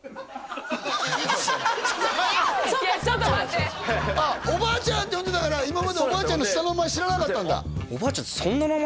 そっかそっか「おばあちゃん」って呼んでたから今までおばあちゃんの下の名前知らなかったんだどうだった？